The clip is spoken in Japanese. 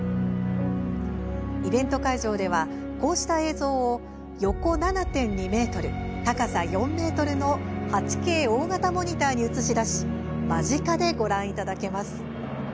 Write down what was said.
イベント会場ではこうした映像を横７．２ｍ、高さ４ｍの８Ｋ大型モニターに映し出し間近でご覧いただけます。